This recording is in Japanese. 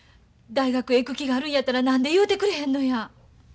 大学へ行く気があるんやったら何で言うてくれへんのや。